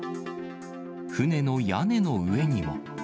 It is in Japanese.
船の屋根の上にも。